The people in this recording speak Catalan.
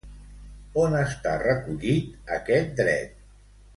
On està recollit aquest dret?